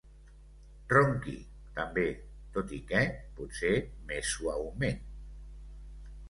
Ronqui, també, tot i que potser més suaument.